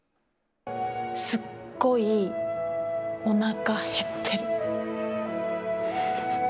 すっごい、おなか減ってる。